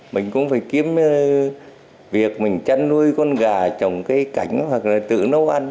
mình cũng phải kiếm việc mình chăn nuôi con gà trồng cây cảnh hoặc là tự nấu ăn